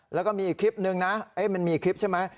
แล้วก็มีอีกคลิปนึงนะมันมีคลิปใช่ไหม